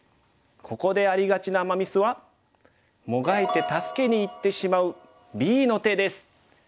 ここでありがちなアマ・ミスはもがいて助けにいってしまうＢの手です。